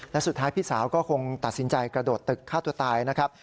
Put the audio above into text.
และสุดท้ายพี่สาวก็คงตัดสินใจกระโดดตึกฆ่าตัวตายนะครับ